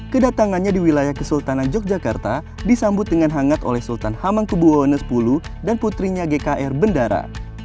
kedatangannya di wilayah kesultanan yogyakarta disambut dengan hangat oleh sultan hamengkubuwono x dan putrinya gkr bendara